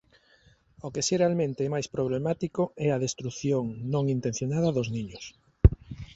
O que xeralmente é máis problemático é a destrución non intencionada dos niños.